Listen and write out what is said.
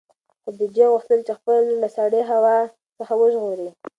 خدیجې غوښتل چې خپله لور له سړې هوا څخه وژغوري.